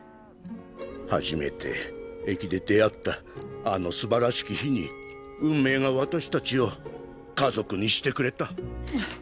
初めて駅で出会ったあのすばらしき日に運命が私たちを家族にしてくれた。